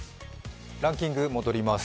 ランキングに戻ります。